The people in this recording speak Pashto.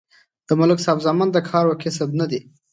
د ملک صاحب زامن د کار او کسب نه دي